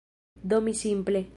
Do mi simple…